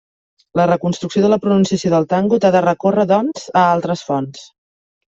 La reconstrucció de la pronunciació del tangut ha de recórrer, doncs, a altres fonts.